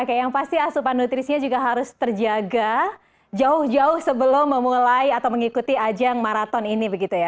oke yang pasti asupan nutrisinya juga harus terjaga jauh jauh sebelum memulai atau mengikuti ajang maraton ini begitu ya